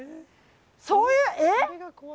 そういうえ？